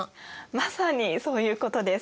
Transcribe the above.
まさにそういうことです。